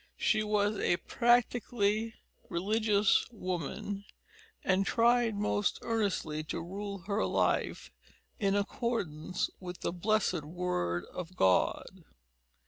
She was a practically religious woman, and tried most earnestly to rule her life in accordance with the blessed Word of God.